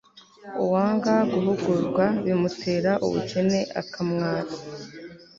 uwanga guhugurwa bimutera ubukene akamwara